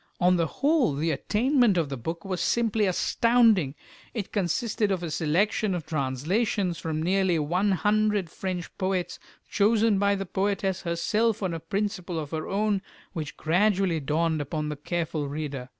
On the whole, the attainment of the book was simply astounding. It consisted of a selection of translations from nearly one hundred French poets, chosen by the poetess herself on a principle of her own which gradually dawned upon the careful reader.